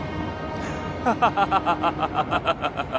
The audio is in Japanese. ハハハハハ！